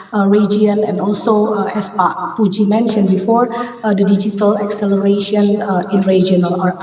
dan juga seperti yang pak puji sebutkan sebelumnya kecepatan digital di kawasan regional